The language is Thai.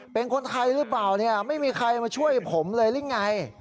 เป็นคนไทยหรือเปล่าเนี่ยไม่มีใครมาช่วยผมเลยหรือไง